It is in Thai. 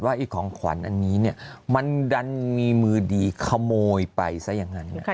ไอ้ของขวัญอันนี้เนี่ยมันดันมีมือดีขโมยไปซะอย่างนั้น